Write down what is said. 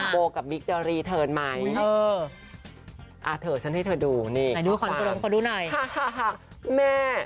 โบ่กับบิ๊กจะเพื่อนรับหรือ